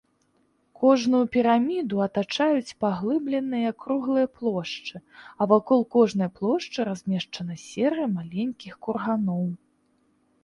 Кожную піраміду атачаюць паглыбленыя круглыя плошчы, а вакол кожнай плошчы размешчана серыя маленькіх курганоў.